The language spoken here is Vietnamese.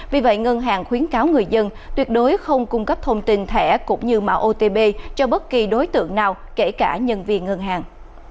vì vậy ngân hàng khuyến cáo người dân tuyệt đối không cung cấp thông tin thẻ cũng như mạo otb cho bất kỳ đối tượng nào kể cả nhân viên ngân hàng